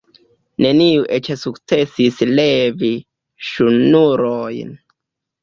Neniu eĉ sukcesis levi ŝnurojn.